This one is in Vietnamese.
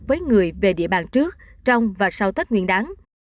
với người về địa bàn trước trong và sau tết nguyên đáng